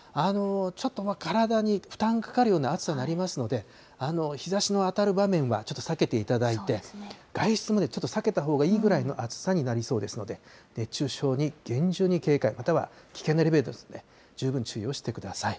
ちょっと体に負担かかるような暑さになりますので、日ざしの当たる場面はちょっと避けていただいて、外出もちょっと避けたほうがいいくらいの暑さになりそうですので、熱中症に厳重に警戒、または危険なレベルですので、十分注意をしてください。